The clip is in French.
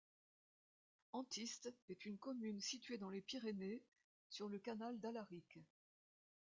Antist est une commune située dans les Pyrénées, sur le canal d'Alaric.